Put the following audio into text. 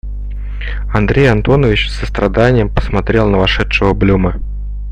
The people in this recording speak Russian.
Андрей Антонович со страданием посмотрел на вошедшего Блюма.